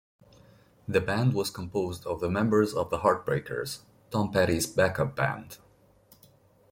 The band was composed of the members of The Heartbreakers, Tom Petty's backup band.